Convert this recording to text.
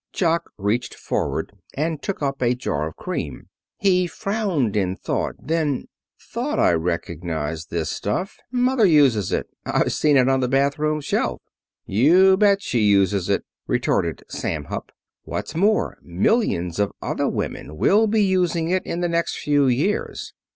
Jock reached forward and took up a jar of cream. He frowned in thought. Then: "Thought I recognized this stuff. Mother uses it. I've seen it on the bathroom shelf." "You bet she uses it," retorted Sam Hupp. "What's more, millions of other women will be using it in the next few years.